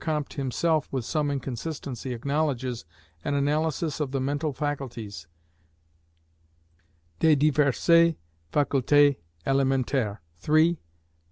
Comte himself, with some inconsistency, acknowledges) an analysis of the mental faculties, "des diverses facultés élémentaires," (iii.